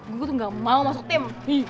gue tuh gak mau masuk tim